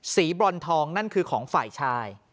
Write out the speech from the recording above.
บรอนทองนั่นคือของฝ่ายชาย